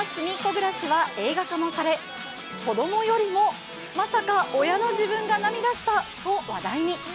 ぐらしは映画化もされ、子供よりも、まさか親の自分が涙したと話題に。